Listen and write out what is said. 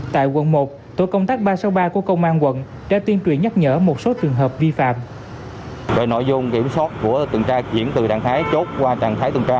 tại quận một tổ công tác ba trăm sáu mươi ba của công an quận đã tuyên truyền nhắc nhở một số trường hợp vi phạm